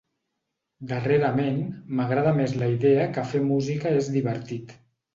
Darrerament m'agrada més la idea que fer música és divertit.